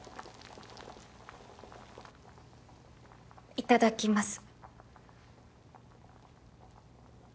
いただきます。